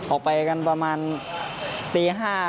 ออกไปกันประมาณตี๕